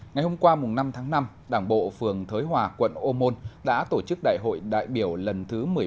ngày hôm qua năm tháng năm đảng bộ phường thới hòa quận ô môn đã tổ chức đại hội đại biểu lần thứ một mươi ba